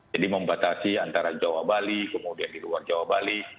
jadi membatasi antara jawa bali kemudian di luar jawa bali